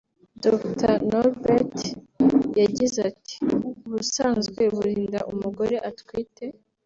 Dr Norbert yagize ati “Ubusanzwe buri nda umugore atwite